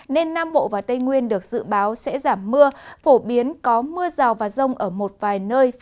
nên nam bộ và tây nguyên được dự báo sẽ giảm mưa phổ biến có mưa rào và rông ở một vài nơi